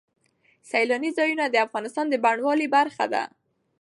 سیلانی ځایونه د افغانستان د بڼوالۍ برخه ده.